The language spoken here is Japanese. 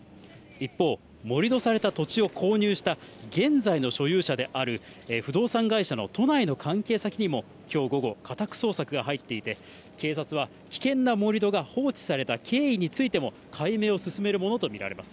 一方、盛り土された土地を購入した現在の所有者である不動産会社の都内の関係先にも、きょう午後、家宅捜索が入っていて、警察は危険な盛り土が放置された経緯についても、解明を進めるものと見られます。